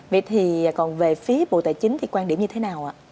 vậy thì còn về phía bộ tài chính thì quan điểm như thế nào ạ